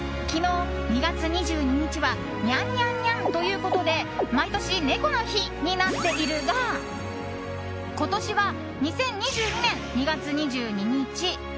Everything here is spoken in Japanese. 昨日、２月２２日はニャンニャンニャンということで毎年、猫の日になっているが今年は２０２２年２月２２日。